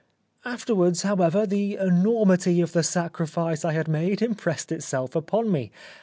Afterwards, however, the enormity of the sacrifice I had made impressed itself upon me.